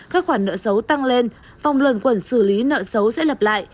các khoản nợ xấu tăng lên phòng luận quẩn xử lý nợ xấu sẽ lập lại